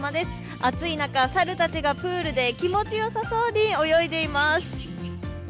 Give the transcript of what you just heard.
暑い中、猿たちがプールで気持ちよさそうに泳いでいます。